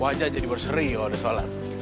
wajah jadi berseri kalo ada sholat